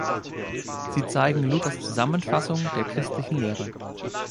Sie zeigen Luthers Zusammenfassung der christlichen Lehre.